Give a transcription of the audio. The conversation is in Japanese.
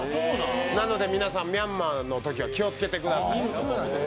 なので皆さんミャンマーのときは気をつけてください。